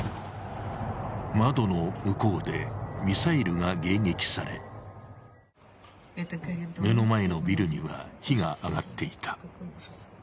窓の向こうでミサイルが迎撃され、目の前のビルには火が上がっていた。